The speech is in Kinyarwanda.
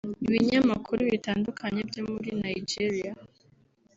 Ibinyamakuru bitandukanye byo muri Nigeria